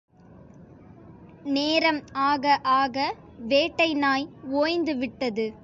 நேரம் ஆகஆக வேட்டை நாய் ஒய்ந்து விட்டது.